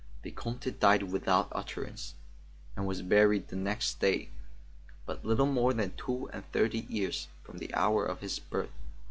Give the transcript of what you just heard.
The Comte died without utterance, and was buried the next day, but little more than two and thirty years from the hour of his birth.